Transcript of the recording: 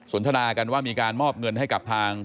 นทนากันว่ามีการมอบเงินให้กับทาง